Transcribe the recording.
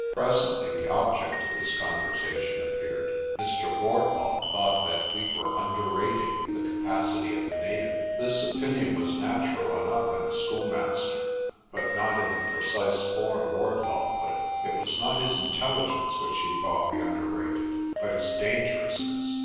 Presently the object of this conversation appeared. Mr. Wardlaw thought that we were underrating the capacity of the native. This opinion was natural enough in a school 72 PRESTER JOHN master, but not in the precise form Wardlaw put it. It was not his intelligence which he thought we underrated, but his dangerousness.